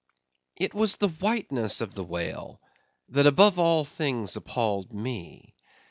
It was the whiteness of the whale that above all things appalled me.